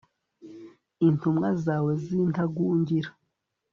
intumwa zawe z'intagungira